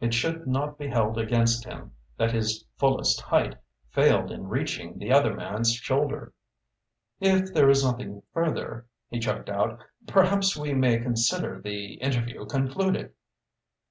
It should not be held against him that his fullest height failed in reaching the other man's shoulder. "If there is nothing further," he choked out, "perhaps we may consider the interview concluded?"